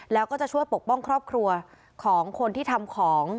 แล้วก็จะช่วยปกป้องครอบครัวของคนที่ทำของ